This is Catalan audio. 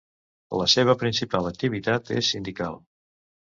La seva principal activitat és sindical.